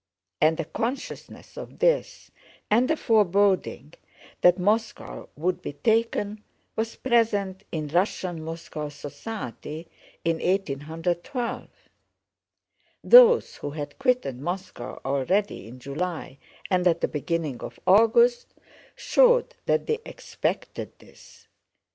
And a consciousness of this, and a foreboding that Moscow would be taken, was present in Russian Moscow society in 1812. Those who had quitted Moscow already in July and at the beginning of August showed that they expected this.